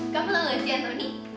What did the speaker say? kamu tau gak sih anoni